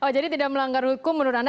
jadi tidak melanggar hukum menurut anda